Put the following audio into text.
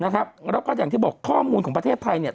แล้วก็อย่างที่บอกข้อมูลของประเทศไทยเนี่ย